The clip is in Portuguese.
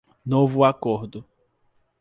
Novo Acordo